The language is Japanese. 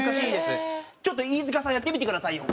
ちょっと飯塚さんやってみてくださいよ。